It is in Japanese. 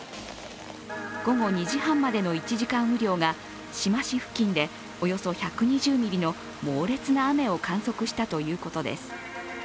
午後２時半までの１時間雨量が志摩市付近でおよそ１２０ミリの猛烈な雨を観測したということです。